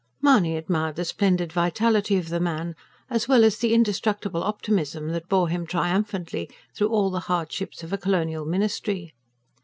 Mahony admired the splendid vitality of the man, as well as the indestructible optimism that bore him triumphantly through all the hardships of a colonial ministry.